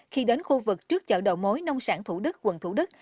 khi đến khu vực trước chợ đầu mối nông sản thủ đức quận thủ đức